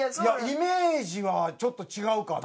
イメージはちょっと違うかな。